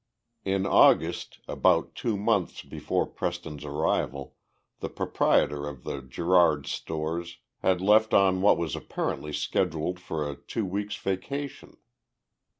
In August, about two months before Preston's arrival, the proprietor of the Gerard stores had left on what was apparently scheduled for a two weeks' vacation.